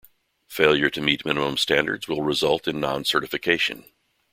Failure to meet minimum standards will result in non-certification.